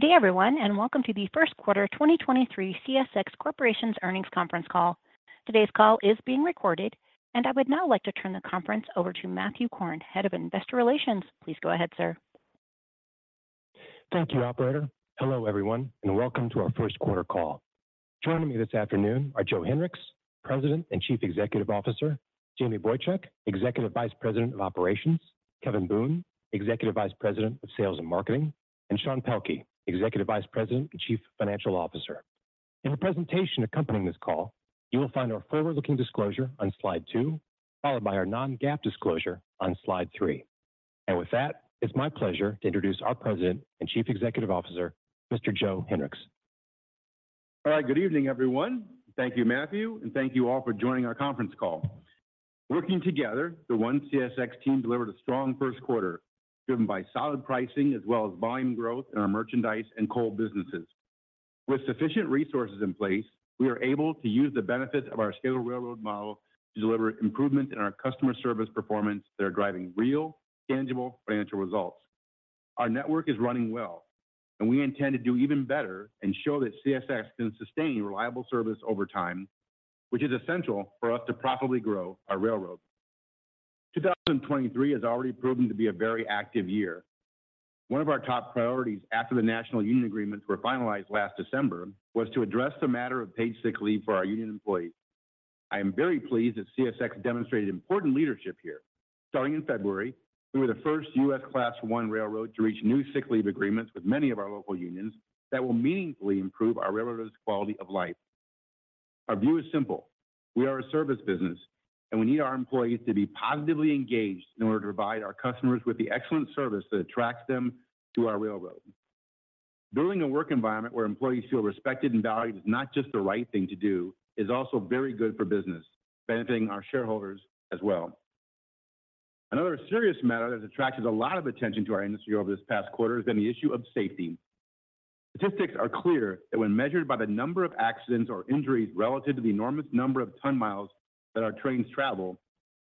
Good day everyone, welcome to the First Quarter 2023 CSX Corporation's Earnings Conference Call. Today's call is being recorded, I would now like to turn the conference over to Matthew Korn, Head of Investor Relations. Please go ahead, sir. Thank you, operator. Hello, everyone, and welcome to our first quarter call. Joining me this afternoon are Joe Hinrichs, President and Chief Executive Officer, Jamie Boychuk, Executive Vice President of Operations, Kevin Boone, Executive Vice President of Sales and Marketing, and Sean Pelkey, Executive Vice President and Chief Financial Officer. In the presentation accompanying this call, you will find our forward-looking disclosure on slide two, followed by our non-GAAP disclosure on slide three. With that, it's my pleasure to introduce our President and Chief Executive Officer, Mr. Joe Hinrichs. All right. Good evening, everyone. Thank you, Matthew, and thank you all for joining our conference call. Working together, the One CSX team delivered a strong first quarter, driven by solid pricing as well as volume growth in our merchandise and coal businesses. With sufficient resources in place, we are able to use the benefits of our scaled railroad model to deliver improvement in our customer service performance that are driving real, tangible financial results. Our network is running well, and we intend to do even better and show that CSX can sustain reliable service over time, which is essential for us to profitably grow our railroad. 2023 has already proven to be a very active year. One of our top priorities after the national union agreements were finalized last December was to address the matter of paid sick leave for our union employees. I am very pleased that CSX demonstrated important leadership here. Starting in February, we were the first U.S. Class I railroad to reach new sick leave agreements with many of our local unions that will meaningfully improve our railroaders' quality of life. Our view is simple: we are a service business, and we need our employees to be positively engaged in order to provide our customers with the excellent service that attracts them to our railroad. Building a work environment where employees feel respected and valued is not just the right thing to do, it's also very good for business, benefiting our shareholders as well. Another serious matter that has attracted a lot of attention to our industry over this past quarter has been the issue of safety. Statistics are clear that when measured by the number of accidents or injuries relative to the enormous number of ton-miles that our trains travel,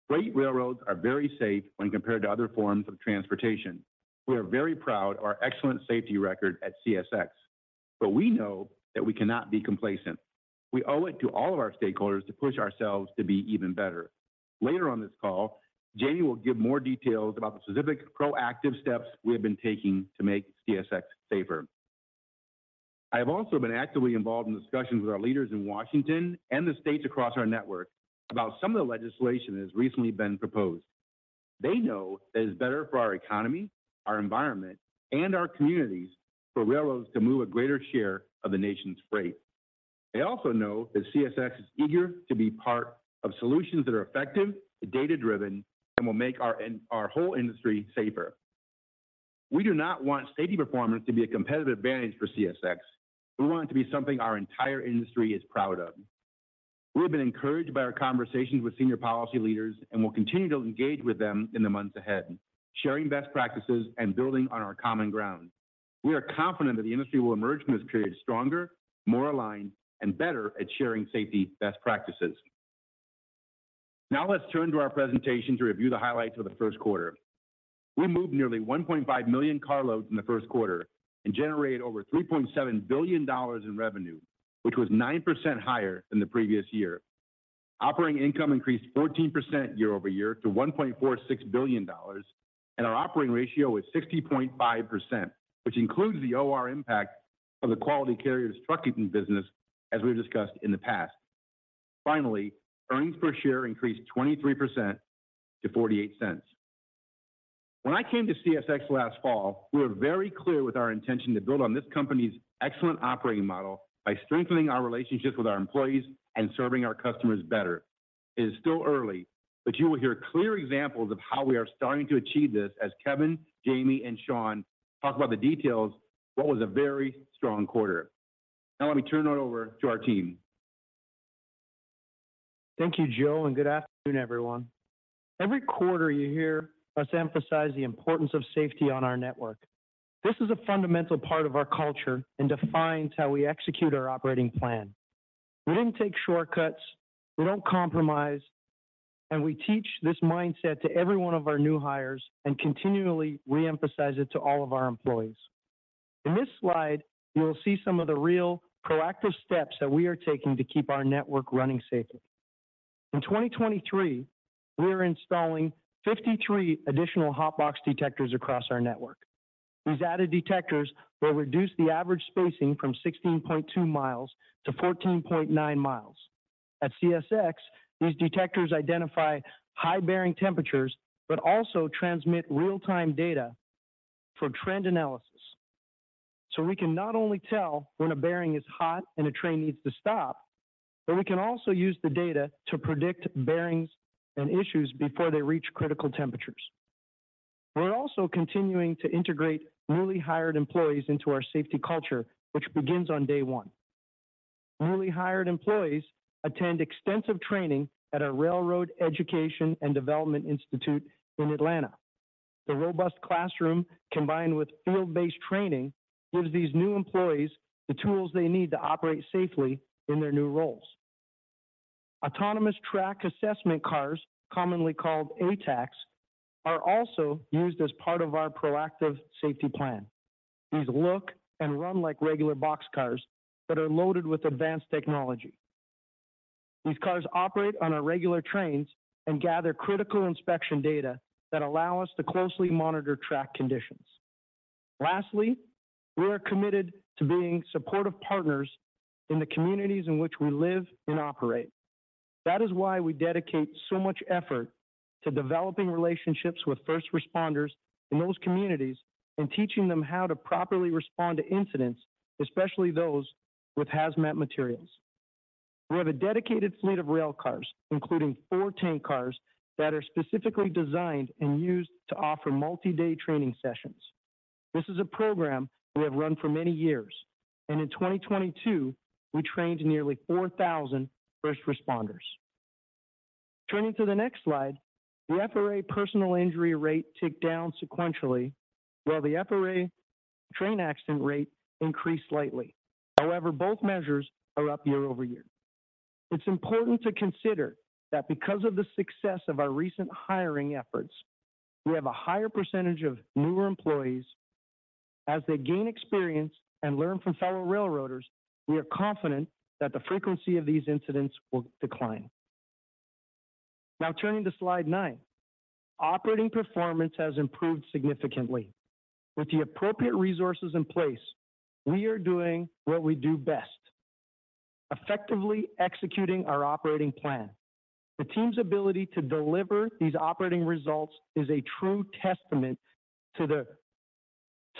freight railroads are very safe when compared to other forms of transportation. We are very proud of our excellent safety record at CSX. We know that we cannot be complacent. We owe it to all of our stakeholders to push ourselves to be even better. Later on this call, Jamie will give more details about the specific proactive steps we have been taking to make CSX safer. I have also been actively involved in discussions with our leaders in Washington and the states across our network about some of the legislation that has recently been proposed. They know that it's better for our economy, our environment, and our communities for railroads to move a greater share of the nation's freight. They also know that CSX is eager to be part of solutions that are effective and data-driven and will make our whole industry safer. We do not want safety performance to be a competitive advantage for CSX. We want it to be something our entire industry is proud of. We have been encouraged by our conversations with senior policy leaders and will continue to engage with them in the months ahead, sharing best practices and building on our common ground. We are confident that the industry will emerge from this period stronger, more aligned, and better at sharing safety best practices. Let's turn to our presentation to review the highlights of the first quarter. We moved nearly 1.5 million carloads in the first quarter and generated over $3.7 billion in revenue, which was 9% higher than the previous year. Operating income increased 14% YoY to $1.46 billion. Our operating ratio was 60.5%, which includes the OR impact of the Quality Carriers trucking business, as we've discussed in the past. Earnings per share increased 23% to $0.48. When I came to CSX last fall, we were very clear with our intention to build on this company's excellent operating model by strengthening our relationships with our employees and serving our customers better. It is still early, but you will hear clear examples of how we are starting to achieve this as Kevin, Jamie, and Sean talk about the details of what was a very strong quarter. Let me turn it over to our team. Thank you, Joe. Good afternoon, everyone. Every quarter you hear us emphasize the importance of safety on our network. This is a fundamental part of our culture and defines how we execute our operating plan. We didn't take shortcuts, we don't compromise. We teach this mindset to every one of our new hires and continually re-emphasize it to all of our employees. In this slide, you will see some of the real proactive steps that we are taking to keep our network running safely. In 2023, we are installing 53 additional hot box detectors across our network. These added detectors will reduce the average spacing from 16.2 miles-14.9 miles. At CSX, these detectors identify high bearing temperatures but also transmit real-time data for trend analysis. We can not only tell when a bearing is hot and a train needs to stop, but we can also use the data to predict bearings and issues before they reach critical temperatures. We're also continuing to integrate newly hired employees into our safety culture, which begins on day one. Newly hired employees attend extensive training at our Railroad Education and Development Institute in Atlanta. The robust classroom combined with field-based training gives these new employees the tools they need to operate safely in their new roles. Autonomous track assessment cars, commonly called ATACs, are also used as part of our proactive safety plan. These look and run like regular boxcars, but are loaded with advanced technology. These cars operate on our regular trains and gather critical inspection data that allow us to closely monitor track conditions. Lastly, we are committed to being supportive partners in the communities in which we live and operate. That is why we dedicate so much effort to developing relationships with first responders in those communities and teaching them how to properly respond to incidents, especially those with HAZMAT materials. We have a dedicated fleet of rail cars, including four tank cars, that are specifically designed and used to offer multi-day training sessions. This is a program we have run for many years, and in 2022, we trained nearly 4,000 first responders. Turning to the next slide, the FRA personal injury rate ticked down sequentially, while the FRA train accident rate increased slightly. However, both measures are up YoY. It's important to consider that because of the success of our recent hiring efforts, we have a higher percentage of newer employees. As they gain experience and learn from fellow railroaders, we are confident that the frequency of these incidents will decline. Turning to slide nine, operating performance has improved significantly. With the appropriate resources in place, we are doing what we do best, effectively executing our operating plan. The team's ability to deliver these operating results is a true testament to the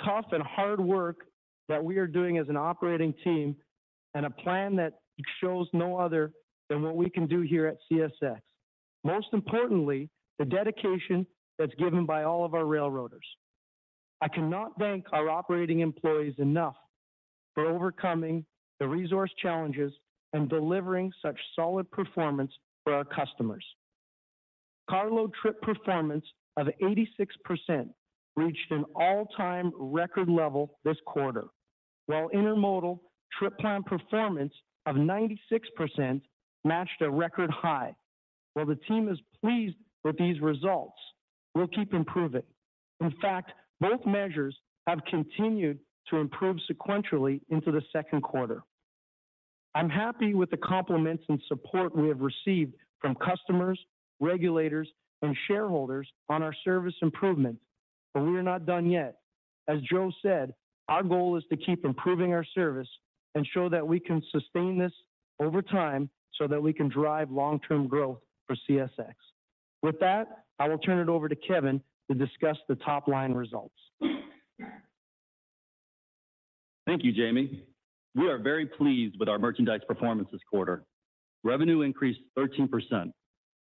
tough and hard work that we are doing as an operating team and a plan that shows no other than what we can do here at CSX. Most importantly, the dedication that's given by all of our railroaders. I cannot thank our operating employees enough for overcoming the resource challenges and delivering such solid performance for our customers. Carload trip performance of 86% reached an all-time record level this quarter, while intermodal trip time performance of 96% matched a record high. While the team is pleased with these results, we'll keep improving. In fact, both measures have continued to improve sequentially into the second quarter. I'm happy with the compliments and support we have received from customers, regulators, and shareholders on our service improvements. We are not done yet. As Joe said, our goal is to keep improving our service and show that we can sustain this over time so that we can drive long-term growth for CSX. With that, I will turn it over to Kevin to discuss the top-line results. Thank you, Jamie. We are very pleased with our merchandise performance this quarter. Revenue increased 13%,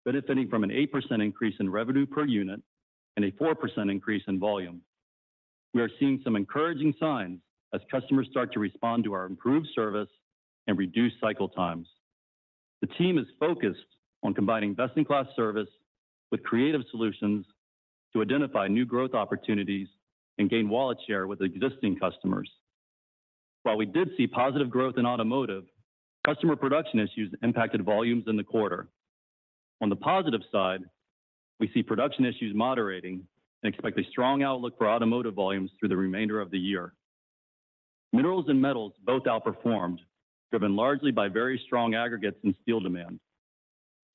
benefiting from an 8% increase in revenue per unit and a 4% increase in volume. We are seeing some encouraging signs as customers start to respond to our improved service and reduced cycle times. The team is focused on combining best-in-class service with creative solutions to identify new growth opportunities and gain wallet share with existing customers. While we did see positive growth in automotive, customer production issues impacted volumes in the quarter. On the positive side, we see production issues moderating and expect a strong outlook for automotive volumes through the remainder of the year. Minerals and metals both outperformed, driven largely by very strong aggregates in steel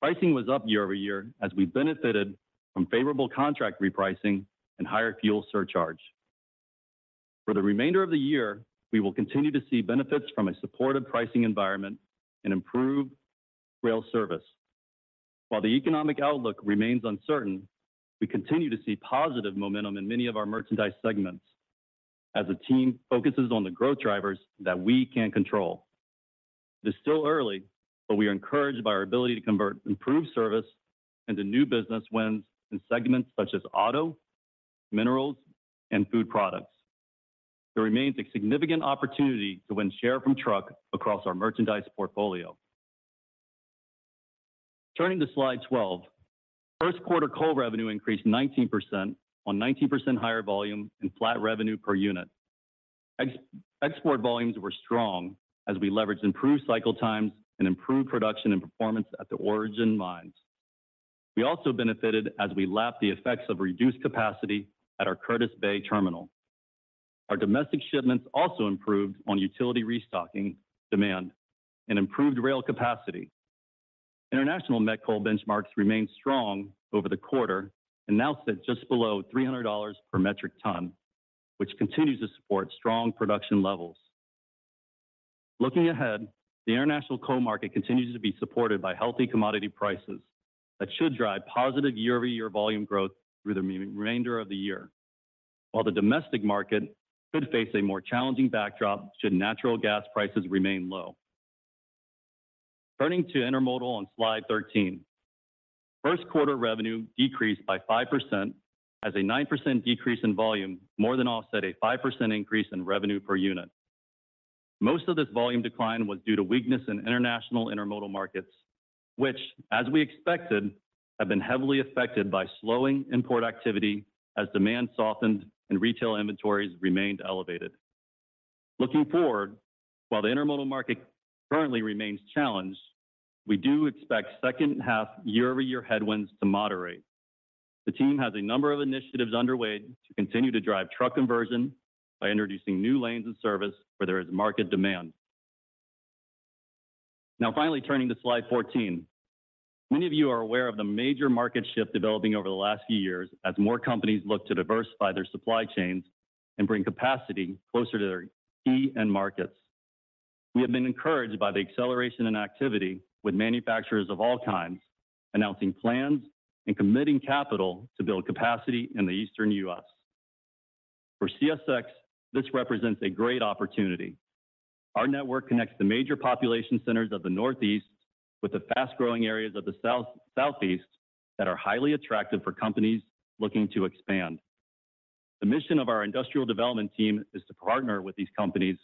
demand. Pricing was up YoY as we benefited from favorable contract repricing and higher fuel surcharge. For the remainder of the year, we will continue to see benefits from a supportive pricing environment and improved rail service. While the economic outlook remains uncertain, we continue to see positive momentum in many of our merchandise segments as the team focuses on the growth drivers that we can control. It is still early, but we are encouraged by our ability to convert improved service into new business wins in segments such as auto, minerals, and food products. There remains a significant opportunity to win share from truck across our merchandise portfolio. Turning to slide 12, first quarter coal revenue increased 19% on 19% higher volume and flat revenue per unit. Export volumes were strong as we leveraged improved cycle times and improved production and performance at the origin mines. We also benefited as we lapped the effects of reduced capacity at our Curtis Bay terminal. Our domestic shipments also improved on utility restocking demand and improved rail capacity. International met coal benchmarks remained strong over the quarter and now sit just below $300 per metric ton, which continues to support strong production levels. Looking ahead, the international coal market continues to be supported by healthy commodity prices that should drive positive YoY volume growth through the remainder of the year, while the domestic market could face a more challenging backdrop should natural gas prices remain low. Turning to intermodal on slide 13, first quarter revenue decreased by 5% as a 9% decrease in volume more than offset a 5% increase in revenue per unit. Most of this volume decline was due to weakness in international intermodal markets, which, as we expected, have been heavily affected by slowing import activity as demand softened and retail inventories remained elevated. Looking forward, while the intermodal market currently remains challenged, we do expect second half YoY headwinds to moderate. The team has a number of initiatives underway to continue to drive truck conversion by introducing new lanes of service where there is market demand. Finally, turning to slide 14. Many of you are aware of the major market shift developing over the last few years as more companies look to diversify their supply chains and bring capacity closer to their key end markets. We have been encouraged by the acceleration and activity with manufacturers of all kinds, announcing plans and committing capital to build capacity in the Eastern U.S. For CSX, this represents a great opportunity. Our network connects the major population centers of the Northeast with the fast-growing areas of the Southeast that are highly attractive for companies looking to expand. The mission of our industrial development team is to partner with these companies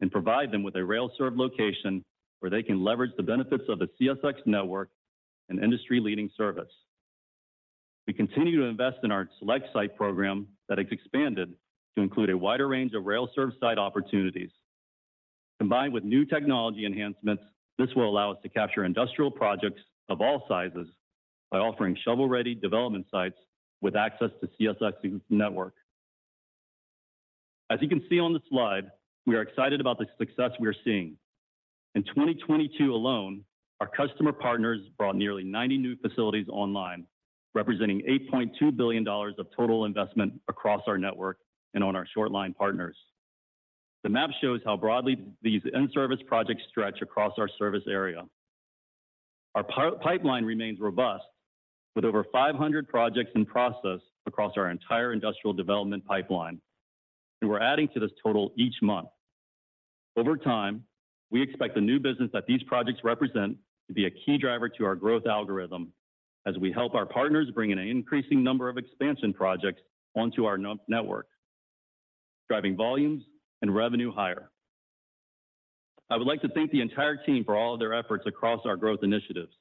and provide them with a rail served location where they can leverage the benefits of the CSX network and industry-leading service. We continue to invest in our Select Site program that has expanded to include a wider range of rail served site opportunities. Combined with new technology enhancements, this will allow us to capture industrial projects of all sizes by offering shovel-ready development sites with access to CSX's network. As you can see on the slide, we are excited about the success we are seeing. In 2022 alone, our customer partners brought nearly 90 new facilities online, representing $8.2 billion of total investment across our network and on our short line partners. The map shows how broadly these in-service projects stretch across our service area. Our pipeline remains robust with over 500 projects in process across our entire industrial development pipeline. We're adding to this total each month. Over time, we expect the new business that these projects represent to be a key driver to our growth algorithm as we help our partners bring an increasing number of expansion projects onto our network, driving volumes and revenue higher. I would like to thank the entire team for all of their efforts across our growth initiatives.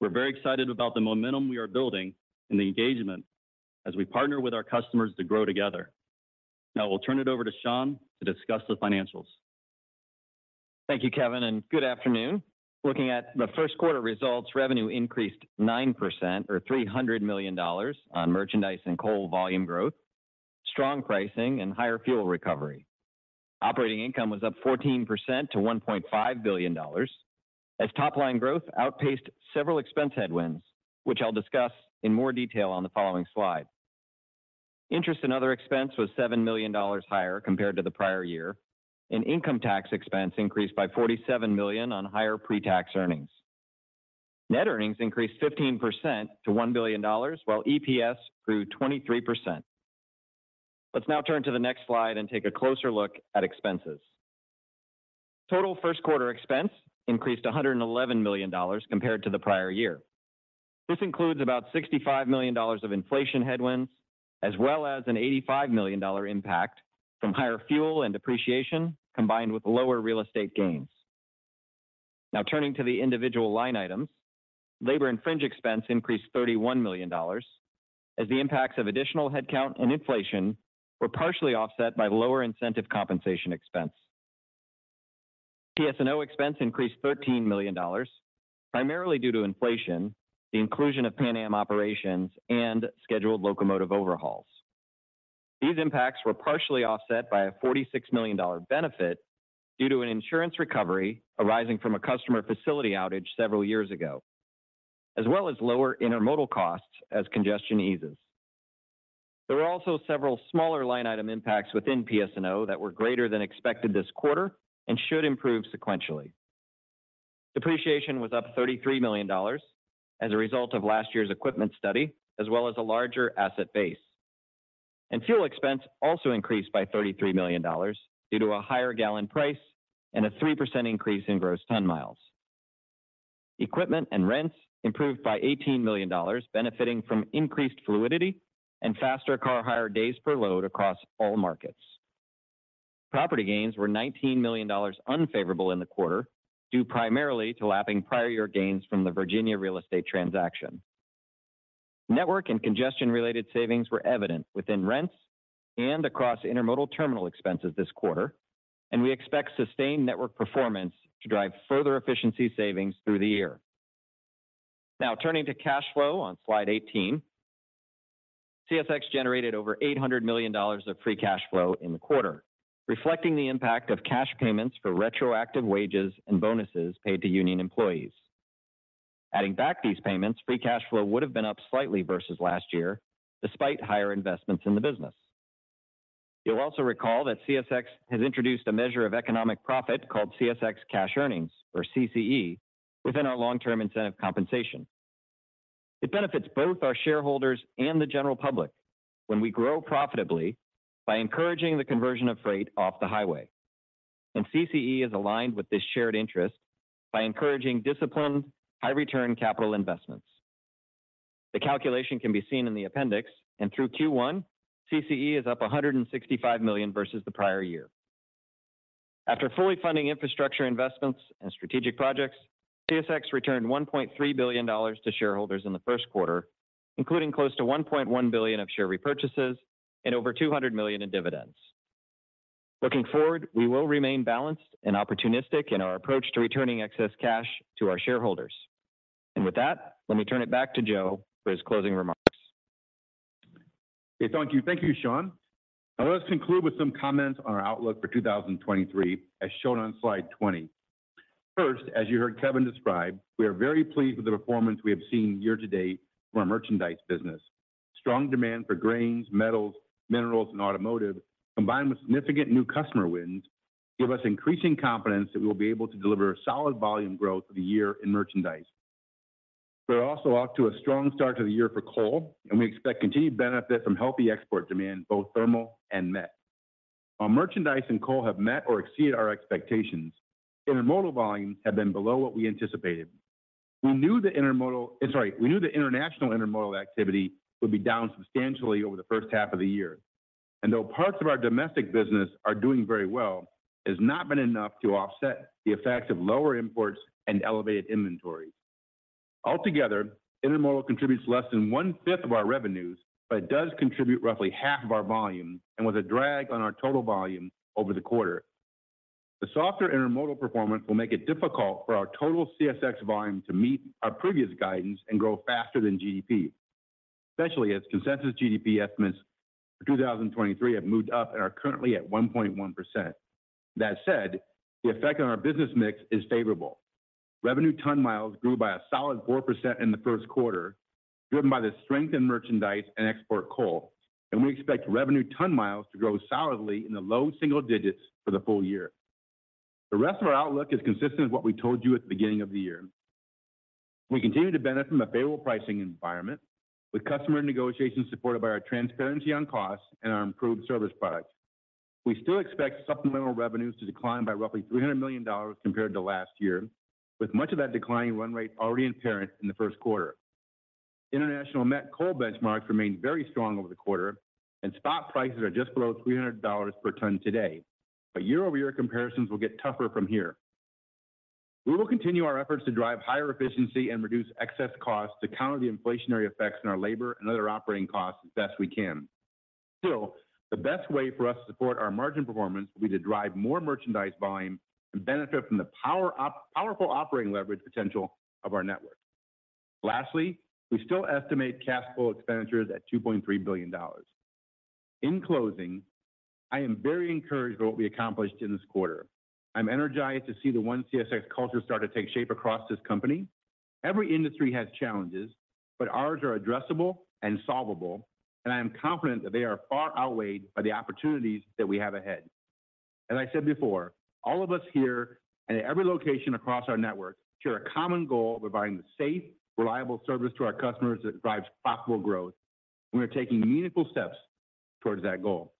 We're very excited about the momentum we are building and the engagement as we partner with our customers to grow together. Now I'll turn it over to Sean to discuss the financials. Thank you, Kevin, good afternoon. Looking at the first quarter results, revenue increased 9% or $300 million on merchandise and coal volume growth, strong pricing, and higher fuel recovery. Operating income was up 14% to $1.5 billion as top line growth outpaced several expense headwinds, which I'll discuss in more detail on the following slide. Interest and other expense was $7 million higher compared to the prior year, and income tax expense increased by $47 million on higher pre-tax earnings. Net earnings increased 15% to $1 billion, while EPS grew 23%. Let's now turn to the next slide and take a closer look at expenses. Total first quarter expense increased $111 million compared to the prior year. This includes about $65 million of inflation headwinds as well as an $85 million impact from higher fuel and depreciation, combined with lower real estate gains. Turning to the individual line items, labor and fringe expense increased $31 million as the impacts of additional headcount and inflation were partially offset by lower incentive compensation expense. PS&O expense increased $13 million, primarily due to inflation, the inclusion of Pan Am operations, and scheduled locomotive overhauls. These impacts were partially offset by a $46 million benefit due to an insurance recovery arising from a customer facility outage several years ago, as well as lower intermodal costs as congestion eases. There were also several smaller line item impacts within PS&O that were greater than expected this quarter and should improve sequentially. Depreciation was up $33 million as a result of last year's equipment study, as well as a larger asset base. Fuel expense also increased by $33 million due to a higher gallon price and a 3% increase in gross ton-miles. Equipment and rents improved by $18 million, benefiting from increased fluidity and faster car hire days per load across all markets. Property gains were $19 million unfavorable in the quarter, due primarily to lapping prior year gains from the Virginia real estate transaction. Network and congestion-related savings were evident within rents and across intermodal terminal expenses this quarter, and we expect sustained network performance to drive further efficiency savings through the year. Now turning to cash flow on slide 18. CSX generated over $800 million of free cash flow in the quarter, reflecting the impact of cash payments for retroactive wages and bonuses paid to union employees. Adding back these payments, free cash flow would have been up slightly versus last year despite higher investments in the business. You'll also recall that CSX has introduced a measure of economic profit called CSX Cash Earnings, or CCE, within our long-term incentive compensation. It benefits both our shareholders and the general public when we grow profitably by encouraging the conversion of freight off the highway. CCE is aligned with this shared interest by encouraging disciplined, high return capital investments. The calculation can be seen in the appendix, and through Q1, CCE is up $165 million versus the prior year. After fully funding infrastructure investments and strategic projects, CSX returned $1.3 billion to shareholders in the first quarter. Including close to $1.1 billion of share repurchases and over $200 million in dividends. Looking forward, we will remain balanced and opportunistic in our approach to returning excess cash to our shareholders. With that, let me turn it back to Joe for his closing remarks. Okay, thank you. Thank you, Sean. Now let's conclude with some comments on our outlook for 2023 as shown on slide 20. First, as you heard Kevin describe, we are very pleased with the performance we have seen year-to-date for our merchandise business. Strong demand for grains, metals, minerals, and automotive, combined with significant new customer wins, give us increasing confidence that we'll be able to deliver a solid volume growth for the year in merchandise. We're also off to a strong start to the year for coal, and we expect continued benefit from healthy export demand, both thermal and met. While merchandise and coal have met or exceeded our expectations, intermodal volumes have been below what we anticipated. Sorry, we knew the international intermodal activity would be down substantially over the first half of the year. Though parts of our domestic business are doing very well, it's not been enough to offset the effects of lower imports and elevated inventory. Altogether, intermodal contributes less than 1/5 of our revenues, but it does contribute roughly half of our volume, and was a drag on our total volume over the quarter. The softer intermodal performance will make it difficult for our total CSX volume to meet our previous guidance and grow faster than GDP, especially as consensus GDP estimates for 2023 have moved up and are currently at 1.1%. That said, the effect on our business mix is favorable. Revenue ton-miles grew by a solid 4% in the first quarter, driven by the strength in merchandise and export coal, and we expect Revenue ton-miles to grow solidly in the low single digits for the full year. The rest of our outlook is consistent with what we told you at the beginning of the year. We continue to benefit from a favorable pricing environment, with customer negotiations supported by our transparency on costs and our improved service products. We still expect supplemental revenues to decline by roughly $300 million compared to last year, with much of that decline in run rate already apparent in the first quarter. International met coal benchmarks remained very strong over the quarter. Spot prices are just below $300 per ton today. YoY comparisons will get tougher from here. We will continue our efforts to drive higher efficiency and reduce excess costs to counter the inflationary effects in our labor and other operating costs as best we can. Still, the best way for us to support our margin performance will be to drive more merchandise volume and benefit from the powerful operating leverage potential of our network. Lastly, we still estimate cash flow expenditures at $2.3 billion. In closing, I am very encouraged by what we accomplished in this quarter. I'm energized to see the One CSX culture start to take shape across this company. Every industry has challenges, but ours are addressable and solvable, and I am confident that they are far outweighed by the opportunities that we have ahead. As I said before, all of us here and at every location across our network share a common goal of providing the safe, reliable service to our customers that drives profitable growth, and we're taking meaningful steps towards that goal.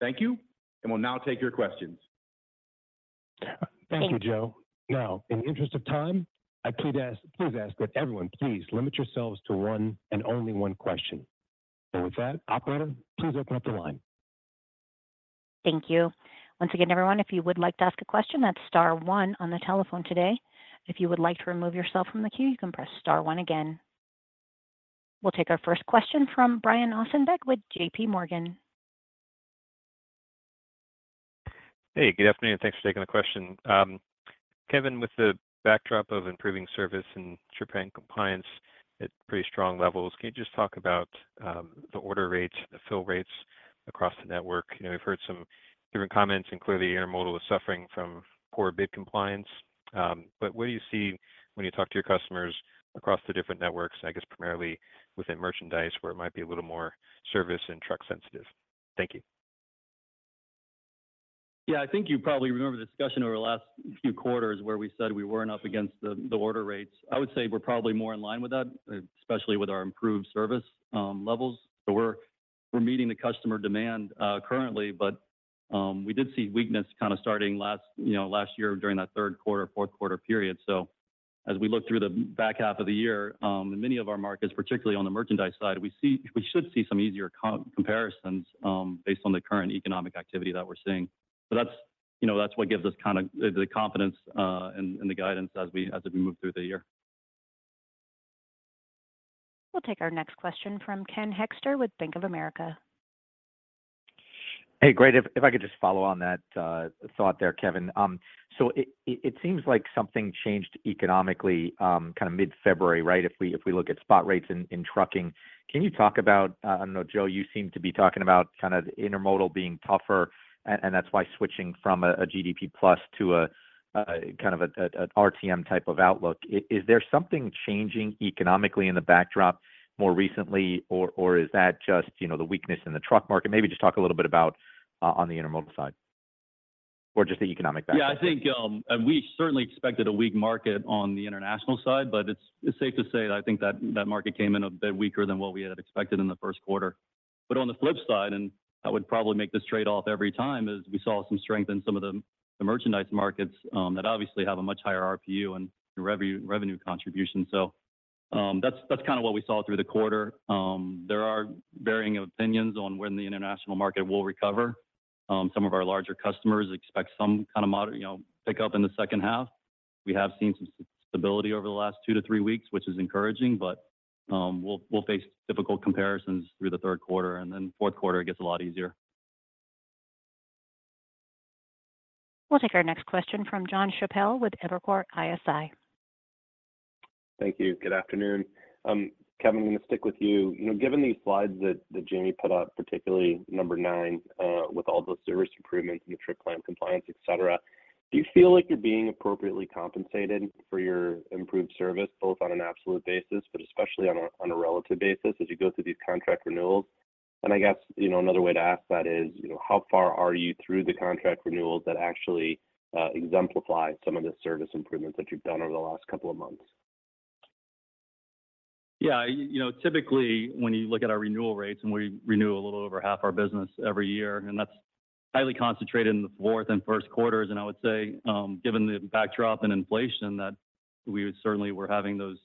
Thank you, and we'll now take your questions. Thank you, Joe. Now, in the interest of time, I please ask that everyone please limit yourselves to one and only one question. With that, operator, please open up the line. Thank you. Once again, everyone, if you would like to ask a question, that's star one on the telephone today. If you would like to remove yourself from the queue, you can press star one again. We'll take our first question from Brian Ossenbeck with J.P. Morgan. Hey, good afternoon, thanks for taking the question. Kevin, with the backdrop of improving service and trip and compliance at pretty strong levels, can you just talk about the order rates, the fill rates across the network? You know, we've heard some different comments, clearly intermodal is suffering from poor bid compliance. What do you see when you talk to your customers across the different networks, I guess primarily within merchandise, where it might be a little more service and truck sensitive? Thank you. Yeah. I think you probably remember the discussion over the last few quarters where we said we weren't up against the order rates. I would say we're probably more in line with that, especially with our improved service levels. We're meeting the customer demand currently, but we did see weakness kind of starting last, you know, last year during that third quarter, fourth quarter period. As we look through the back half of the year, in many of our markets, particularly on the merchandise side, we should see some easier comparisons based on the current economic activity that we're seeing. That's, you know, that's what gives us kinda the confidence in the guidance as we move through the year. We'll take our next question from Kenneth Hoexter with Bank of America. Hey, great. If I could just follow on that thought there, Kevin. It seems like something changed economically kinda mid-February, right? If we look at spot rates in trucking, can you talk about, I don't know, Joe, you seem to be talking about kind of intermodal being tougher, and that's why switching from a GDPplus to a kind of an RTM type of outlook. Is there something changing economically in the backdrop more recently or is that just, you know, the weakness in the truck market? Maybe just talk a little bit about on the intermodal side or just the economic backdrop. Yeah, I think, we certainly expected a weak market on the international side, but it's safe to say that I think that market came in a bit weaker than what we had expected in the first quarter. On the flip side, and I would probably make this trade-off every time, is we saw some strength in some of the merchandise markets that obviously have a much higher RPU and revenue contribution. That's kinda what we saw through the quarter. There are varying of opinions on when the international market will recover. Some of our larger customers expect some kind of moderate, you know, pickup in the second half. We have seen some stability over the last two to three weeks, which is encouraging, but we'll face difficult comparisons through the third quarter, and then fourth quarter it gets a lot easier. We'll take our next question from Jonathan Chappell with Evercore ISI. Thank you. Good afternoon. Kevin, I'm gonna stick with you. You know, given these slides that Jamie put up, particularly number nine, with all the service improvements, metric plan compliance, et cetera, do you feel like you're being appropriately compensated for your improved service, both on an absolute basis, but especially on a, on a relative basis, as you go through these contract renewals? I guess, you know, another way to ask that is, you know, how far are you through the contract renewals that actually exemplify some of the service improvements that you've done over the last couple of months? Yeah. You know, typically, when you look at our renewal rates, we renew a little over half our business every year. That's highly concentrated in the fourth and first quarters. I would say, given the backdrop in inflation, that we would certainly were having those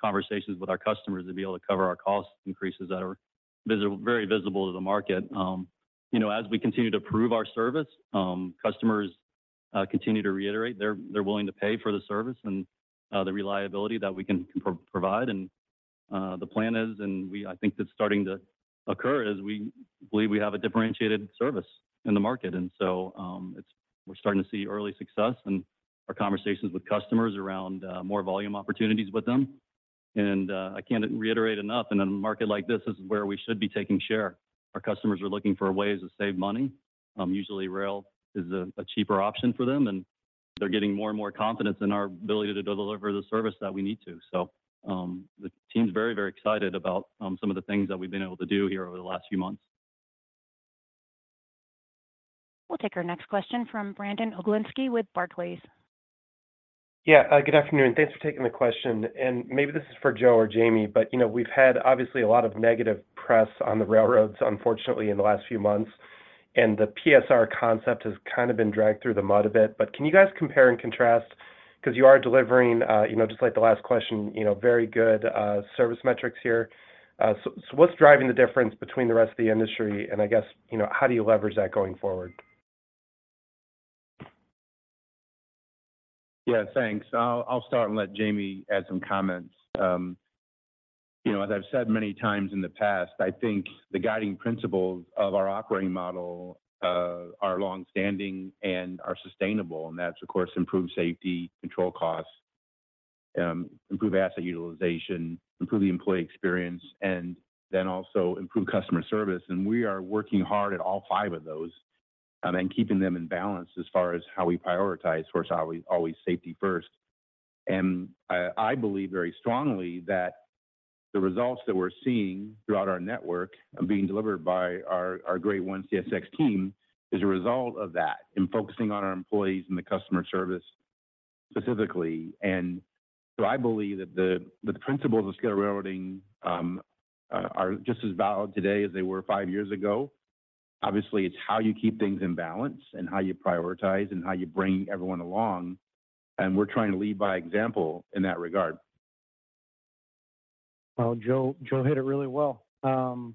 conversations with our customers to be able to cover our cost increases that are very visible to the market. You know, as we continue to prove our service, customers continue to reiterate they're willing to pay for the service and the reliability that we can provide. The plan is, I think it's starting to occur, is we believe we have a differentiated service in the market. So, we're starting to see early success in our conversations with customers around more volume opportunities with them. I can't reiterate enough, in a market like this is where we should be taking share. Our customers are looking for ways to save money. Usually rail is a cheaper option for them, and they're getting more and more confidence in our ability to deliver the service that we need to. The team's very excited about some of the things that we've been able to do here over the last few months. We'll take our next question from Brandon Oglenski with Barclays. Yeah. Good afternoon. Thanks for taking the question. Maybe this is for Joe or Jamie, but you know, we've had obviously a lot of negative press on the railroads, unfortunately, in the last few months, and the PSR concept has kind of been dragged through the mud a bit. Can you guys compare and contrast? You are delivering, you know, just like the last question, you know, very good service metrics here. What's driving the difference between the rest of the industry, and I guess, you know, how do you leverage that going forward? Yeah, thanks. I'll start and let Jamie add some comments. You know, as I've said many times in the past, I think the guiding principles of our operating model are longstanding and are sustainable, and that's of course improved safety, controlled costs, improved asset utilization, improved employee experience, and then also improved customer service. We are working hard at all five of those, and keeping them in balance as far as how we prioritize. Of course, always safety first. I believe very strongly that the results that we're seeing throughout our network are being delivered by our great One CSX team as a result of that, in focusing on our employees and the customer service specifically. I believe that the principles of scale railroading are just as valid today as they were five years ago. Obviously, it's how you keep things in balance and how you prioritize and how you bring everyone along, and we're trying to lead by example in that regard. Well, Joe hit it really well. When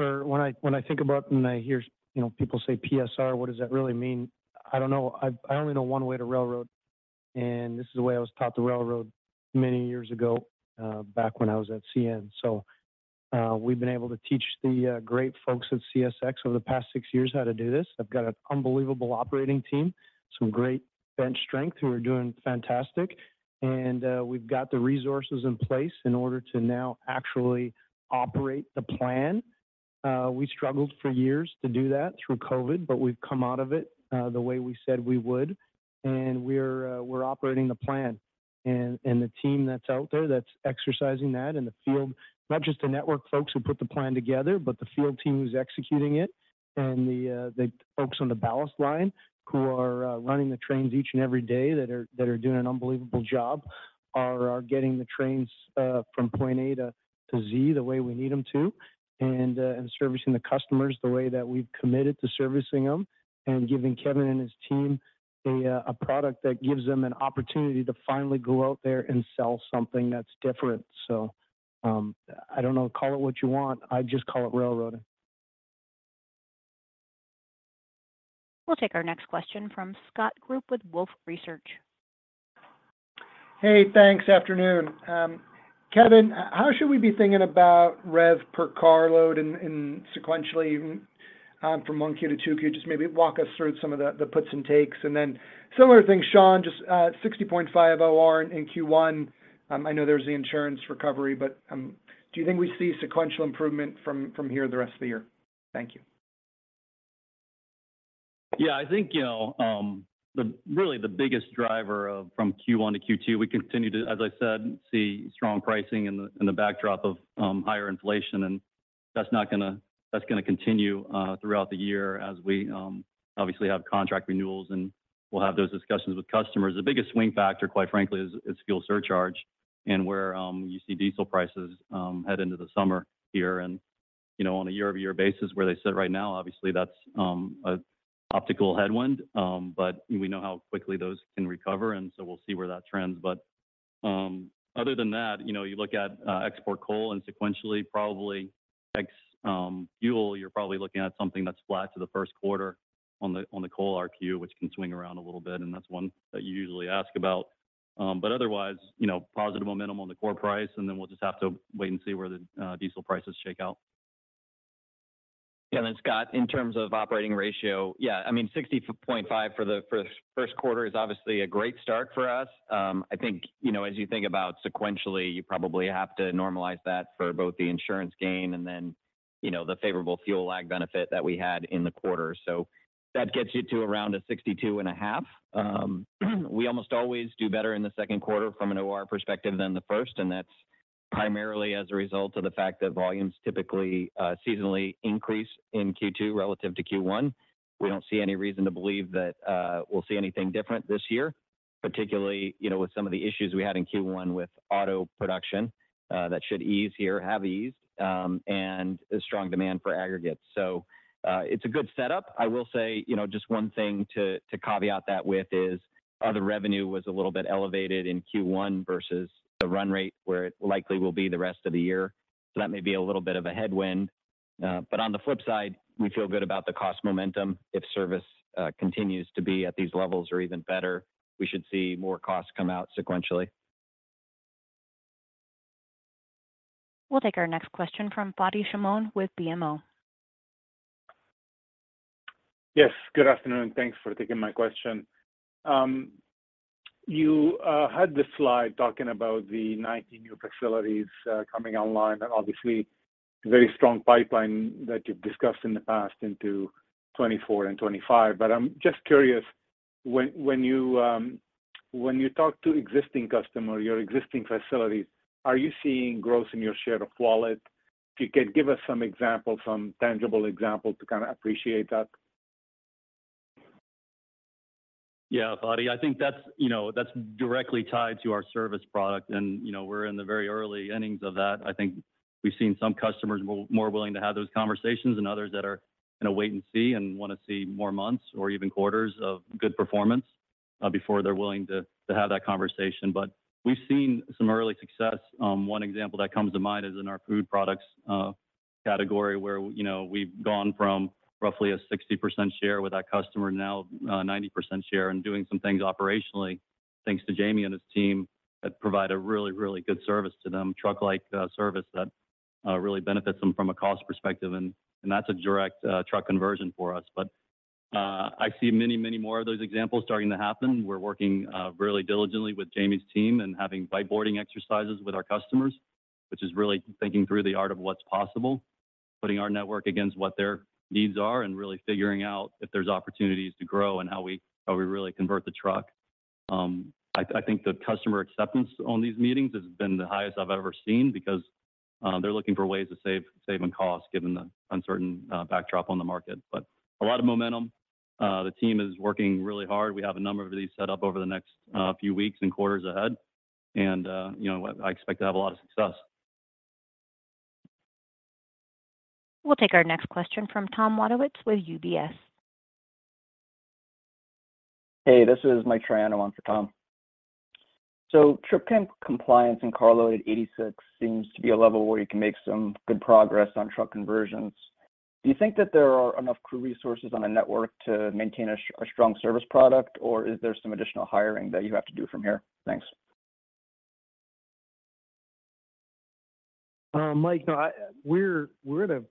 I think about when I hear, you know, people say PSR, what does that really mean? I don't know. I only know one way to railroad, and this is the way I was taught to railroad many years ago, back when I was at CN. We've been able to teach the great folks at CSX over the past six years how to do this. I've got an unbelievable operating team, some great bench strength who are doing fantastic, and we've got the resources in place in order to now actually operate the plan. We struggled for years to do that through COVID, but we've come out of it the way we said we would, and we're operating the plan. The team that's out there that's exercising that in the field, not just the network folks who put the plan together, but the field team who's executing it and the folks on the ballast line who are running the trains each and every day that are doing an unbelievable job, are getting the trains from point A to Z the way we need them to, and servicing the customers the way that we've committed to servicing them and giving Kevin and his team a product that gives them an opportunity to finally go out there and sell something that's different. I don't know, call it what you want. I just call it railroading. We'll take our next question from Scott Group with Wolfe Research. Hey, thanks. Afternoon. Kevin, how should we be thinking about rev per carload and sequentially even, from Q1 to Q2? Just maybe walk us through some of the puts and takes. Similar thing, Sean, just 60.5 OR in Q1. I know there's the insurance recovery, but do you think we see sequential improvement from here the rest of the year? Thank you. Yeah. I think, you know, really the biggest driver of from Q1 to Q2, we continue to, as I said, see strong pricing in the, in the backdrop of, higher inflation, and that's not gonna continue, throughout the year as we, obviously have contract renewals, and we'll have those discussions with customers. The biggest swing factor, quite frankly, is fuel surcharge and where, you see diesel prices, head into the summer here. You know, on a YoY basis where they sit right now, obviously that's a optical headwind, but we know how quickly those can recover, and so we'll see where that trends. Other than that, you know, you look at export coal and sequentially probably Fuel Ex, you're probably looking at something that's flat to the first quarter on the coal RPU, which can swing around a little bit, and that's one that you usually ask about. Otherwise, you know, positive momentum on the core price, and then we'll just have to wait and see where the diesel prices shake out. Yeah. Scott, in terms of operating ratio, I mean 60.5% for the first quarter is obviously a great start for us. I think, you know, as you think about sequentially, you probably have to normalize that for both the insurance gain and then, you know, the favorable fuel lag benefit that we had in the quarter. That gets you to around a 62.5%. We almost always do better in the second quarter from an OR perspective than the first, and that's primarily as a result of the fact that volumes typically seasonally increase in Q2 relative to Q1. We don't see any reason to believe that we'll see anything different this year, particularly, you know, with some of the issues we had in Q1 with auto production that should ease here, have eased, and a strong demand for aggregates. It's a good setup. I will say, you know, just one thing to caveat that with is other revenue was a little bit elevated in Q1 versus the run rate where it likely will be the rest of the year. That may be a little bit of a headwind. On the flip side, we feel good about the cost momentum. If service continues to be at these levels or even better, we should see more costs come out sequentially. We'll take our next question from Fadi Chamoun with BMO. Yes. Good afternoon. Thanks for taking my question. You had this slide talking about the 90 new facilities coming online and obviously very strong pipeline that you've discussed in the past into 2024 and 2025. I'm just curious, when you talk to existing customer, your existing facilities, are you seeing growth in your share of wallet? If you could give us some examples, some tangible examples to kinda appreciate that. Yeah. Fadi, I think that's, you know, that's directly tied to our service product and, you know, we're in the very early innings of that. I think we've seen some customers more willing to have those conversations and others that are gonna wait and see and wanna see more months or even quarters of good performance before they're willing to have that conversation. We've seen some early success. One example that comes to mind is in our food products category where, you know, we've gone from roughly a 60% share with that customer, now, 90% share and doing some things operationally. Thanks to Jamie and his team that provide a really good service to them, truck-like service that really benefits them from a cost perspective and that's a direct truck conversion for us. I see many more of those examples starting to happen. We're working really diligently with Jamie's team and having whiteboarding exercises with our customers, which is really thinking through the art of what's possible, putting our network against what their needs are, and really figuring out if there's opportunities to grow and how we really convert the truck. I think the customer acceptance on these meetings has been the highest I've ever seen because they're looking for ways to save on cost given the uncertain backdrop on the market. A lot of momentum, the team is working really hard. We have a number of these set up over the next few weeks and quarters ahead and, you know, I expect to have a lot of success. We'll take our next question from Thomas Wadewitz with UBS. Hey, this is Michael Triano on for Tom. Trip count compliance in carload 86 seems to be a level where you can make some good progress on truck conversions. Do you think that there are enough crew resources on the network to maintain a strong service product, or is there some additional hiring that you have to do from here? Thanks. Mike, we're at a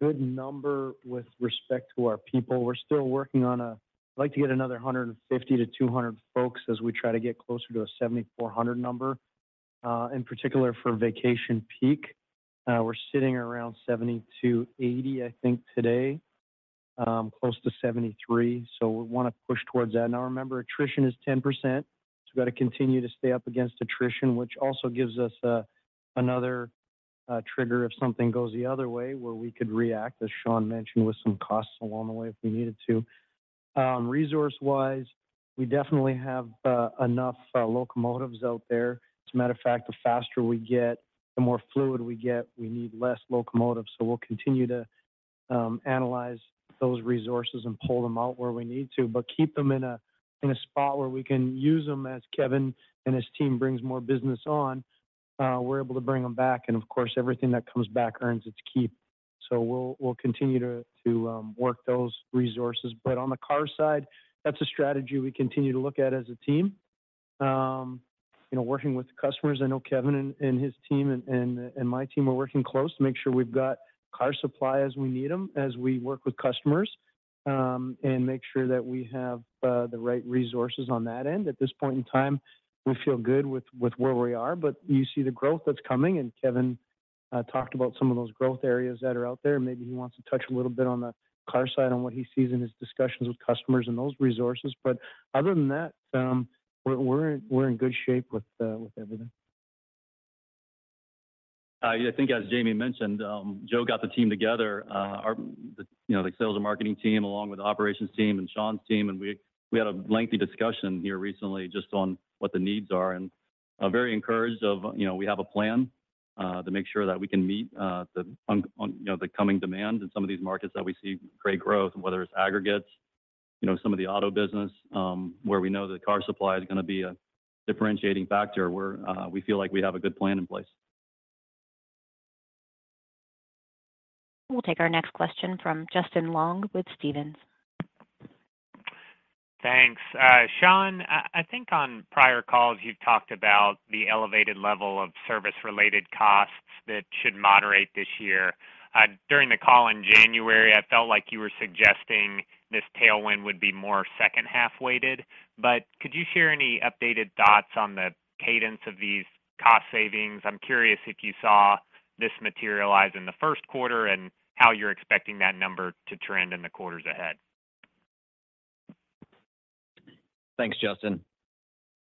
good number with respect to our people. We're still working on. I'd like to get another 150-200 folks as we try to get closer to a 7,400 number, in particular for vacation peak. We're sitting around 70-80, I think today, close to 73. We wanna push towards that. Remember, attrition is 10%, so we gotta continue to stay up against attrition, which also gives us another trigger if something goes the other way where we could react, as Sean mentioned, with some costs along the way if we needed to. Resource-wise, we definitely have enough locomotives out there. As a matter of fact, the faster we get, the more fluid we get, we need less locomotives. We'll continue to analyze those resources and pull them out where we need to, but keep them in a spot where we can use them as Kevin and his team brings more business on, we're able to bring them back. Of course, everything that comes back earns its keep. We'll continue to work those resources. On the car side, that's a strategy we continue to look at as a team. You know, working with the customers, I know Kevin and his team and my team are working close to make sure we've got car supply as we need them, as we work with customers, and make sure that we have the right resources on that end. At this point in time, we feel good with where we are. You see the growth that's coming, and Kevin talked about some of those growth areas that are out there. Maybe he wants to touch a little bit on the car side on what he sees in his discussions with customers and those resources. Other than that, we're in good shape with everything. Yeah, I think as Jamie mentioned, Joe got the team together, you know, the sales and marketing team, along with the operations team and Sean's team, and we had a lengthy discussion here recently just on what the needs are and. I'm very encouraged of, you know, we have a plan to make sure that we can meet, you know, the coming demands in some of these markets that we see great growth, and whether it's aggregates, you know, some of the auto business, where we know the car supply is gonna be a differentiating factor where, we feel like we have a good plan in place. We'll take our next question from Justin Long with Stephens. Thanks. Sean, I think on prior calls you've talked about the elevated level of service related costs that should moderate this year. During the call in January, I felt like you were suggesting this tailwind would be more second half weighted. Could you share any updated thoughts on the cadence of these cost savings? I'm curious if you saw this materialize in the first quarter and how you're expecting that number to trend in the quarters ahead. Thanks, Justin.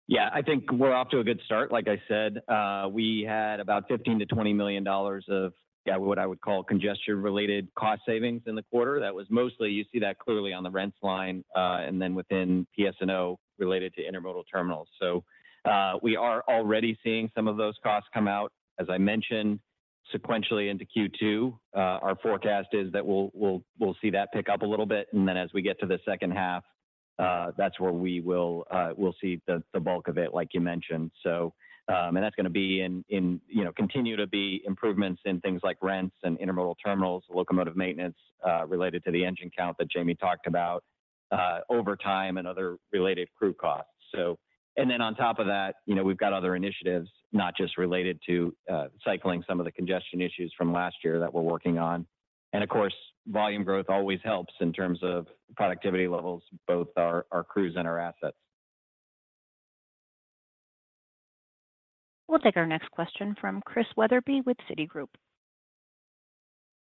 Yeah. I think we're off to a good start. Like I said, we had about $15 million-$20 million of what I would call congestion related cost savings in the quarter. You see that clearly on the rents line, and then within PS&O related to intermodal terminals. We are already seeing some of those costs come out, as I mentioned, sequentially into Q2. Our forecast is that we'll see that pick up a little bit. As we get to the second half, that's where we'll see the bulk of it, like you mentioned. That's gonna be in, you know, continue to be improvements in things like rents and intermodal terminals, locomotive maintenance, related to the engine count that Jamie talked about, over time and other related crew costs. Then on top of that, you know, we've got other initiatives, not just related to cycling some of the congestion issues from last year that we're working on. Of course, volume growth always helps in terms of productivity levels, both our crews and our assets. We'll take our next question from Chris Wetherbee with Citigroup.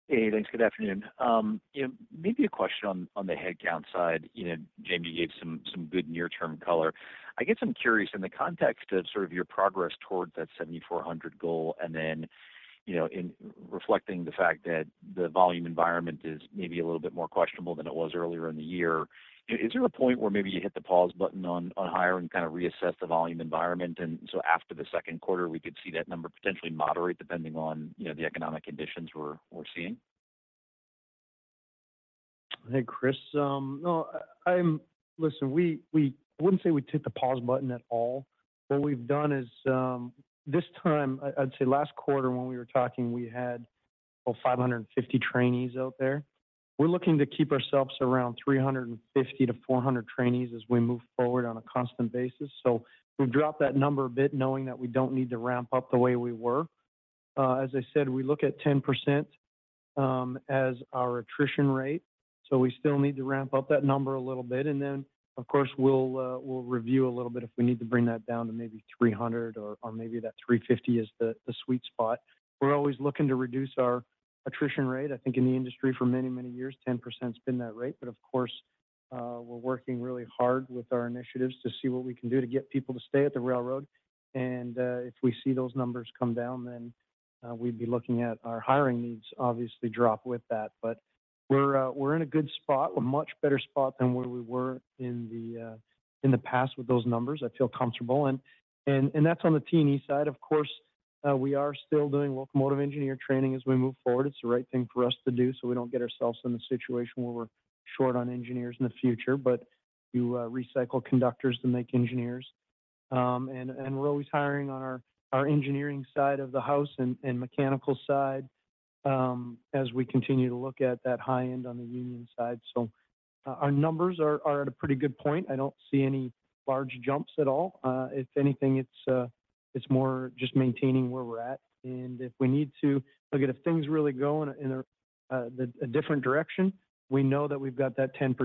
Hey, thanks. Good afternoon. maybe a question on the headcount side. You know, Jamie gave some good near-term color. I guess I'm curious in the context of sort of your progress towards that 7,400 goal, and then, you know, in reflecting the fact that the volume environment is maybe a little bit more questionable than it was earlier in the year. Is there a point where maybe you hit the pause button on hiring, kind of reassess the volume environment, and so after the second quarter, we could see that number potentially moderate depending on, you know, the economic conditions we're seeing? Hey, Chris. Listen, I wouldn't say we hit the pause button at all. What we've done is, this time I'd say last quarter when we were talking, we had 550 trainees out there. We're looking to keep ourselves around 350-400 trainees as we move forward on a constant basis. We've dropped that number a bit knowing that we don't need to ramp up the way we were. As I said, we look at 10% as our attrition rate, so we still need to ramp up that number a little bit. Of course, we'll review a little bit if we need to bring that down to maybe 300 or maybe that 350 is the sweet spot. We're always looking to reduce our attrition rate. I think in the industry for many, many years, 10%'s been that rate. Of course, we're working really hard with our initiatives to see what we can do to get people to stay at the railroad. If we see those numbers come down, then, we'd be looking at our hiring needs obviously drop with that. We're in a good spot, a much better spot than where we were in the past with those numbers. I feel comfortable. And that's on the T&E side. Of course, we are still doing locomotive engineer training as we move forward. It's the right thing for us to do, so we don't get ourselves in a situation where we're short on engineers in the future. You recycle conductors to make engineers. And we're always hiring on our engineering side of the house and mechanical side, as we continue to look at that high end on the union side. Our numbers are at a pretty good point. I don't see any large jumps at all. If anything, it's more just maintaining where we're at. If we need to... Look, if things really go in a different direction, we know that we've got that 10%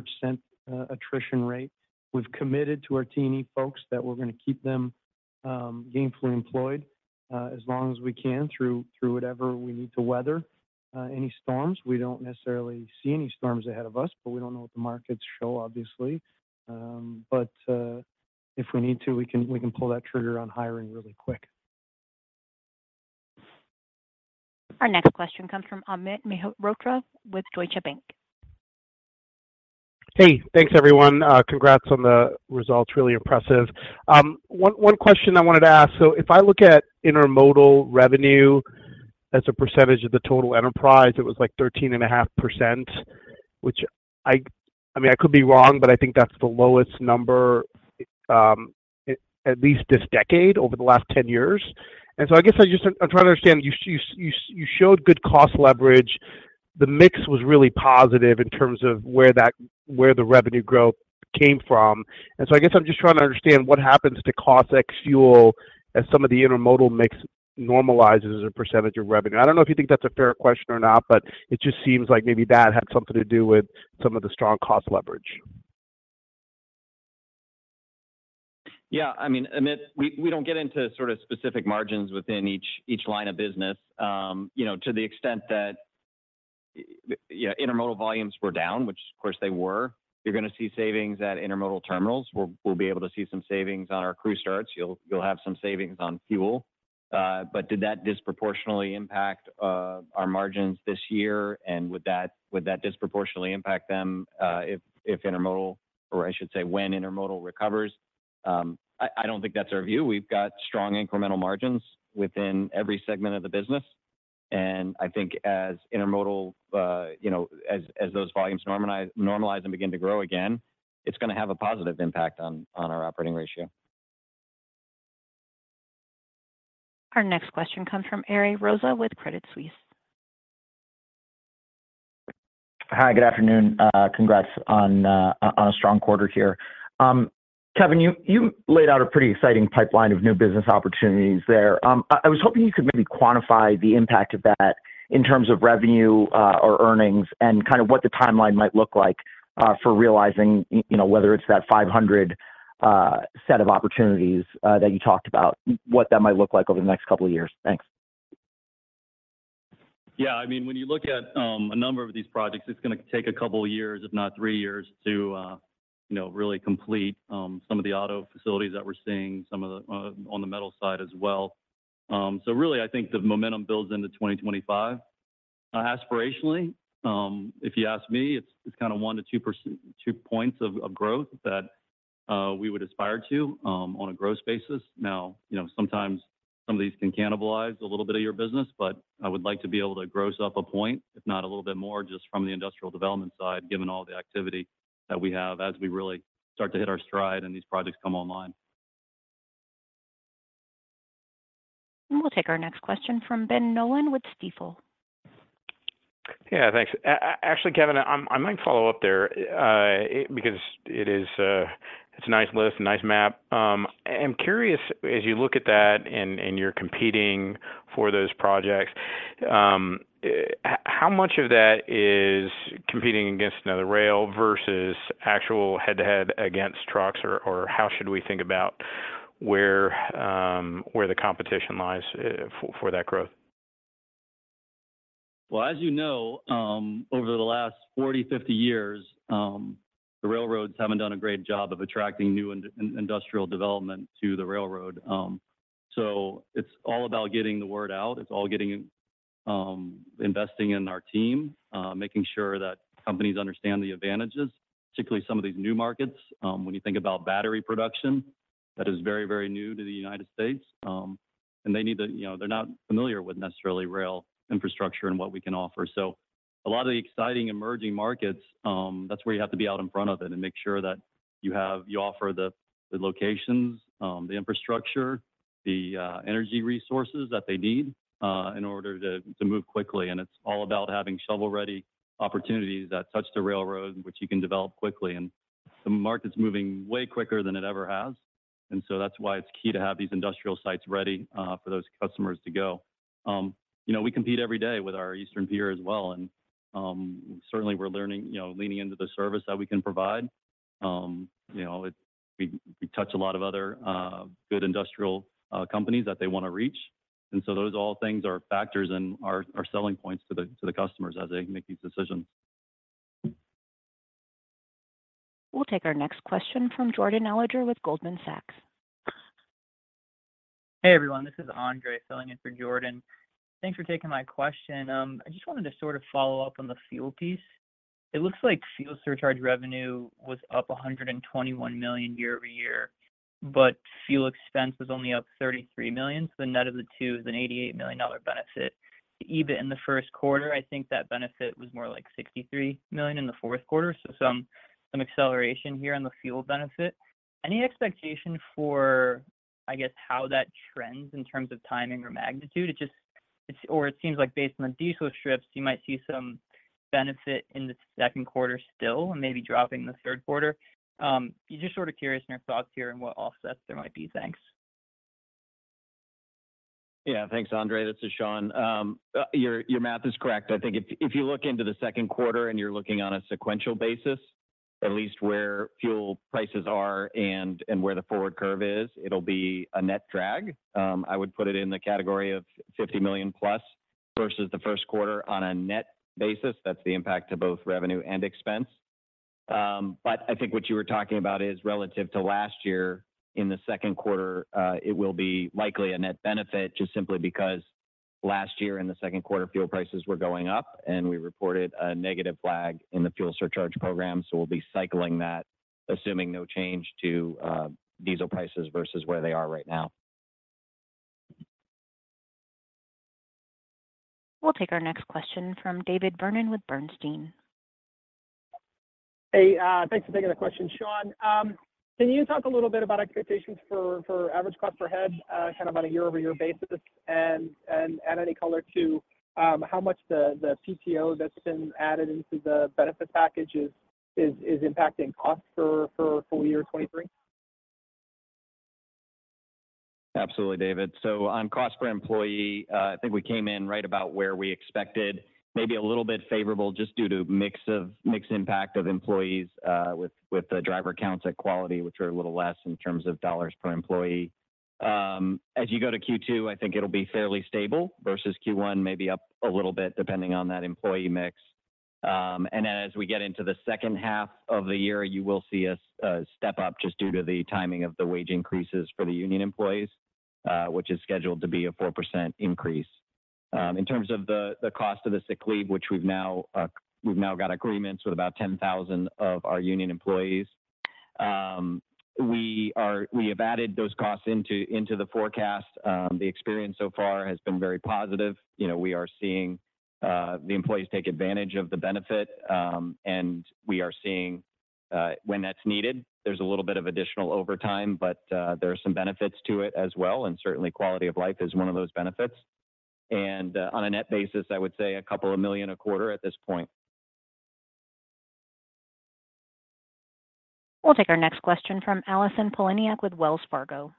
attrition rate. We've committed to our T&E folks that we're gonna keep them gainfully employed as long as we can through whatever we need to weather any storms. We don't necessarily see any storms ahead of us, but we don't know what the markets show, obviously. If we need to, we can pull that trigger on hiring really quick. Our next question comes from Amit Mehrotra with Deutsche Bank. Hey. Thanks, everyone. Congrats on the results. Really impressive. One question I wanted to ask. If I look at intermodal revenue as a percentage of the total enterprise, it was like 13.5%, which I mean, I could be wrong, but I think that's the lowest number, at least this decade over the last 10 years. I guess I'm trying to understand, you showed good cost leverage. The mix was really positive in terms of where the revenue growth came from. I guess I'm just trying to understand what happens to cost ex fuel as some of the intermodal mix normalizes as a percentage of revenue. I don't know if you think that's a fair question or not, but it just seems like maybe that had something to do with some of the strong cost leverage. Yeah. I mean, Amit, we don't get into sort of specific margins within each line of business. You know, to the extent that, you know, intermodal volumes were down, which of course they were, you're gonna see savings at intermodal terminals. We'll be able to see some savings on our crew starts. You'll have some savings on fuel. Did that disproportionately impact our margins this year and would that disproportionately impact them if intermodal, or I should say, when intermodal recovers? I don't think that's our view. We've got strong incremental margins within every segment of the business. I think as intermodal, you know, as those volumes normalize and begin to grow again, it's gonna have a positive impact on our operating ratio. Our next question comes from Ariel Rosa with Credit Suisse. Hi, good afternoon. Congrats on a strong quarter here. Kevin, you laid out a pretty exciting pipeline of new business opportunities there. I was hoping you could maybe quantify the impact of that in terms of revenue or earnings and kind of what the timeline might look like for realizing, you know, whether it's that 500 set of opportunities that you talked about, what that might look like over the next couple of years. Thanks. Yeah. I mean, when you look at a number of these projects, it's gonna take a couple of years, if not three years to, you know, really complete some of the auto facilities that we're seeing, on the metal side as well. Really, I think the momentum builds into 2025. Aspirationally, if you ask me, it's kind of one to two points of growth that we would aspire to on a gross basis. Now, you know, sometimes some of these can cannibalize a little bit of your business, but I would like to be able to gross up a point, if not a little bit more, just from the industrial development side, given all the activity that we have as we really start to hit our stride and these projects come online. We'll take our next question from Benjamin Nolan with Stifel. Yeah, thanks. Actually, Kevin, I might follow up there, because it is, it's a nice list, a nice map. I'm curious, as you look at that and you're competing for those projects, how much of that is competing against another rail versus actual head-to-head against trucks or how should we think about where the competition lies for that growth? Well, as you know, over the last 40, 50 years, the railroads haven't done a great job of attracting new industrial development to the railroad. It's all about getting the word out. It's all getting, investing in our team, making sure that companies understand the advantages, particularly some of these new markets. When you think about battery production, that is very, very new to the United States. You know, they're not familiar with necessarily rail infrastructure and what we can offer. A lot of the exciting emerging markets, that's where you have to be out in front of it and make sure that you offer the locations, the infrastructure, the energy resources that they need in order to move quickly. It's all about having shovel-ready opportunities that touch the railroad, which you can develop quickly. The market's moving way quicker than it ever has, and so that's why it's key to have these industrial sites ready for those customers to go. You know, we compete every day with our eastern peer as well, and certainly we're learning, you know, leaning into the service that we can provide. You know, we touch a lot of other good industrial companies that they wanna reach. So those are all things or factors and are selling points to the customers as they make these decisions. We'll take our next question from Jordan Alliger with Goldman Sachs. Hey, everyone, this is Andre filling in for Jordan. Thanks for taking my question. I just wanted to sort of follow up on the fuel piece. It looks like fuel surcharge revenue was up $121 million YoY. Fuel expense was only up $33 million. The net of the two is an $88 million benefit. The EBIT in the first quarter, I think that benefit was more like $63 million in the fourth quarter. There was some acceleration here on the fuel benefit. Any expectation for, I guess, how that trends in terms of timing or magnitude? It seems like based on the diesel strips, you might see some benefit in the second quarter still and maybe dropping the third quarter. Just sort of curious on your thoughts here and what offsets there might be. Thanks. Yeah. Thanks, Andre. This is Sean. Your math is correct. I think if you look into the second quarter and you're looking on a sequential basis, at least where fuel prices are and where the forward curve is, it'll be a net drag. I would put it in the category of $50 million plus versus the first quarter on a net basis. That's the impact to both revenue and expense. I think what you were talking about is relative to last year in the second quarter, it will be likely a net benefit just simply because last year in the second quarter, fuel prices were going up and we reported a negative flag in the fuel surcharge program, so we'll be cycling that, assuming no change to diesel prices versus where they are right now. We'll take our next question from David Vernon with Bernstein. Hey, thanks for taking the question. Sean, can you talk a little bit about expectations for average cost per head, kind of on a YoY basis and add any color to how much the PTO that's been added into the benefit package is impacting costs for full year 2023? Absolutely, David. On cost per employee, I think we came in right about where we expected, maybe a little bit favorable just due to mixed impact of employees, with the driver counts at Quality Carriers, which are a little less in terms of $ per employee. As you go to Q2, I think it'll be fairly stable versus Q1, maybe up a little bit depending on that employee mix. Then as we get into the second half of the year, you will see us step up just due to the timing of the wage increases for the union employees, which is scheduled to be a 4% increase. In terms of the cost of the sick leave, which we've now got agreements with about 10,000 of our union employees. We have added those costs into the forecast. The experience so far has been very positive. You know, we are seeing the employees take advantage of the benefit. We are seeing, when that's needed, there's a little bit of additional overtime, but there are some benefits to it as well, and certainly quality of life is one of those benefits. On a net basis, I would say a couple of million a quarter at this point. We'll take our next question from Allison Poliniak with Wells Fargo.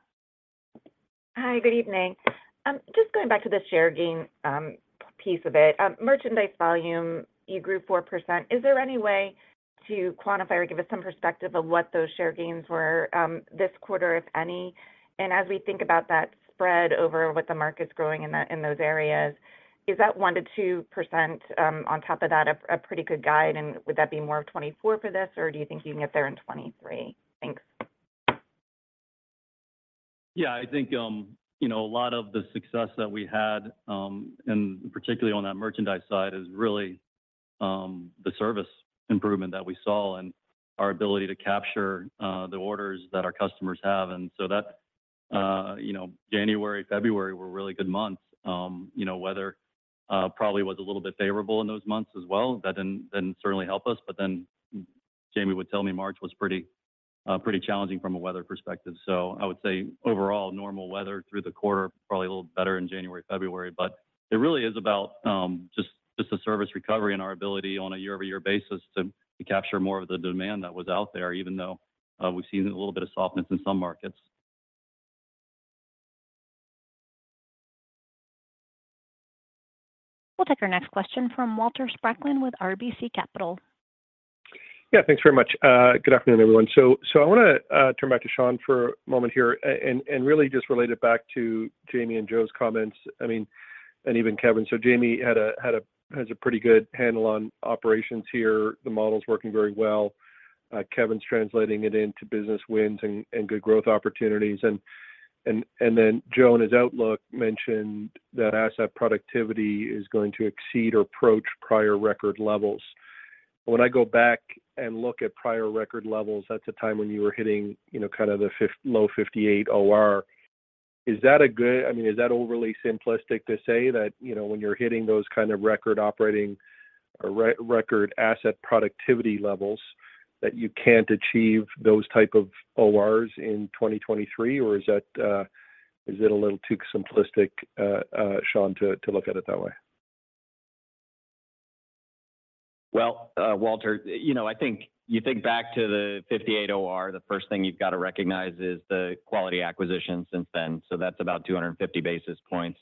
Hi, good evening. Just going back to the share gain piece of it. Merchandise volume, you grew 4%. Is there any way to quantify or give us some perspective of what those share gains were this quarter, if any? As we think about that spread over what the market's growing in those areas, is that 1%-2% on top of that a pretty good guide, and would that be more of 2024 for this, or do you think you can get there in 2023? Thanks. Yeah, I think, you know, a lot of the success that we had, and particularly on that merchandise side, is really the service improvement that we saw and our ability to capture the orders that our customers have. That, you know, January, February were really good months. You know, weather probably was a little bit favorable in those months as well. That didn't certainly help us, but then Jamie would tell me March was pretty challenging from a weather perspective. I would say overall normal weather through the quarter, probably a little better in January, February. It really is about, just the service recovery and our ability on a YoY basis to capture more of the demand that was out there, even though, we've seen a little bit of softness in some markets. We'll take our next question from Walter Spracklin with RBC Capital. Yeah, thanks very much. Good afternoon, everyone. I want to turn back to Sean Pelkey for a moment here and really just relate it back to Jamie Boychuk and Joseph Hinrichs' comments. I mean, even Kevin Boone. Jamie Boychuk has a pretty good handle on operations here. The model's working very well. Kevin Boone's translating it into business wins and good growth opportunities. Joseph Hinrichs in his outlook mentioned that asset productivity is going to exceed or approach prior record levels. When I go back and look at prior record levels, that's a time when you were hitting, you know, kind of the low 58 OR. Is that a good? I mean, is that overly simplistic to say that, you know, when you're hitting those kind of record operating or re-record asset productivity levels, that you can't achieve those type of ORs in 2023? Is that, is it a little too simplistic, Sean, to look at it that way? Walter, you know, I think you think back to the 58 OR, the first thing you've got to recognize is the Quality acquisition since then. That's about 250 basis points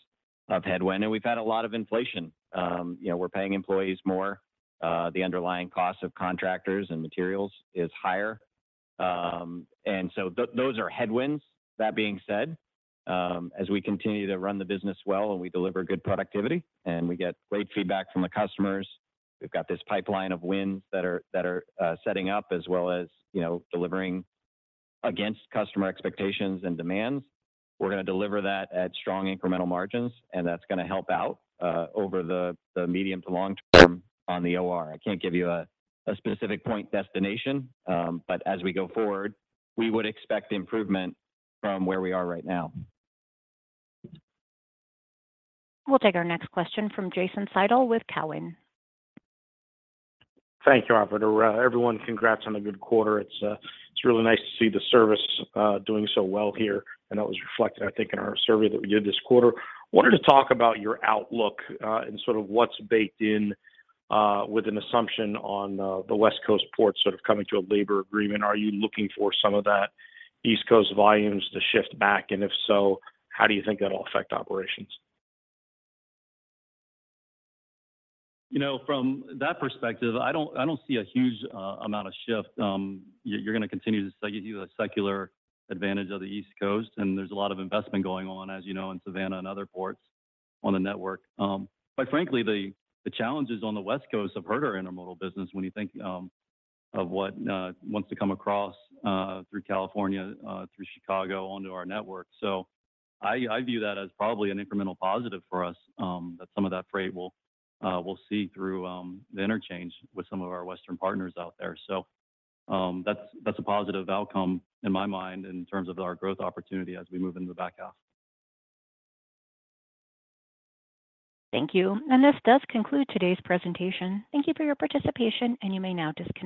of headwind. We've had a lot of inflation. You know, we're paying employees more. The underlying cost of contractors and materials is higher. Those are headwinds. That being said, as we continue to run the business well, we deliver good productivity, we get great feedback from the customers, we've got this pipeline of wins that are setting up as well as, you know, delivering against customer expectations and demands. We're gonna deliver that at strong incremental margins, that's gonna help out over the medium to long term on the OR. I can't give you a specific point destination, but as we go forward, we would expect improvement from where we are right now. We'll take our next question from Jason Seidl with Cowen. Thank you, operator. Everyone, congrats on a good quarter. It's, it's really nice to see the service doing so well here, and that was reflected, I think, in our survey that we did this quarter. Wanted to talk about your outlook and sort of what's baked in with an assumption on the West Coast ports sort of coming to a labor agreement? Are you looking for some of that East Coast volumes to shift back? If so, how do you think that'll affect operations? You know, from that perspective, I don't see a huge amount of shift. You're gonna continue to see a secular advantage of the East Coast, there's a lot of investment going on, as you know, in Savannah and other ports on the network. Frankly, the challenges on the West Coast have hurt our intermodal business when you think of what wants to come across through California, through Chicago onto our network. I view that as probably an incremental positive for us, that some of that freight will see through the interchange with some of our Western partners out there. That's a positive outcome in my mind in terms of our growth opportunity as we move into the back half. Thank you. This does conclude today's presentation. Thank you for your participation, and you may now disconnect.